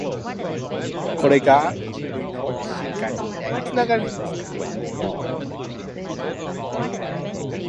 Zenebework's full title was "Her Imperial Highness, Princess Zenebework Haile Selassie".